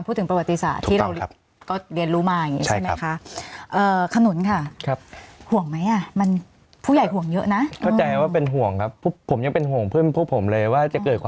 พูดถึงประวัติศาสตร์ที่เราก็เรียนรู้มาอย่างนี้ใช่ไหมคะ